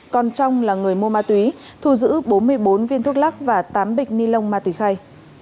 còn trong là người mua ma túy thu giữ bốn mươi bốn viên thuốc lắc và tám bịch ni lông ma túy khay